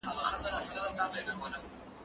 هغه څوک چي لوبه کوي خوشاله وي؟!